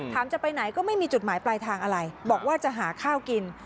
จะไปไหนก็ไม่มีจุดหมายปลายทางอะไรบอกว่าจะหาข้าวกิน